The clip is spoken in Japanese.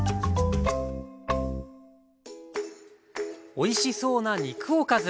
おいしそうな肉おかず。